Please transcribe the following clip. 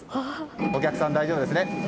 お客さん、大丈夫ですね。